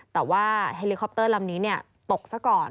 แต่ว่าเฮลิคอปเตอร์ลำนี้ตกซะก่อน